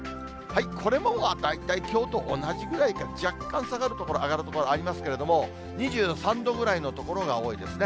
これも大体きょうと同じぐらいか、若干下がる所、上がる所、ありますけれども、２３度ぐらいの所が多いですね。